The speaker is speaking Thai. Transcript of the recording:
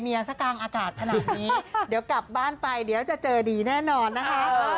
ซะกลางอากาศขนาดนี้เดี๋ยวกลับบ้านไปเดี๋ยวจะเจอดีแน่นอนนะคะ